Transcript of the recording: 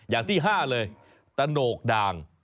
อย่างที่๕เลยตะโหนกด่าง